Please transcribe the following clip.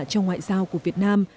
cho ngoại giao của việt nam